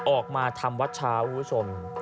ออกมาทำวัดช้าหัววิทยุผู้ชม